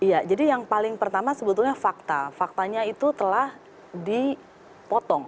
iya jadi yang paling pertama sebetulnya fakta faktanya itu telah dipotong